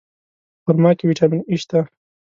په خرما کې ویټامین E شته.